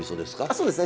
そうですね